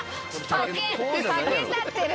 竹になってる！